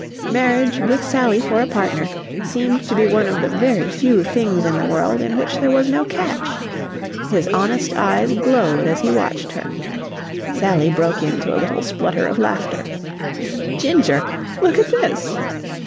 Marriage, with Sally for a partner, seemed to be one of the very few things in the world in which there was no catch. His honest eyes glowed as he watched her. Sally broke into a little splutter of laughter. "Ginger, look at this!"